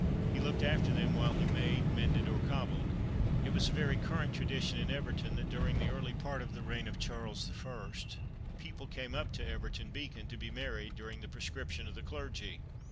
He looked after them while he made, mended, or cobbled. It was a very current tradition in Everton that during the early part of the reign of Charles the First, people came up to Everton Beacon to be married, during the proscription of the clergy.